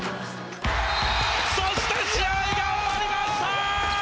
そして試合が終わりました！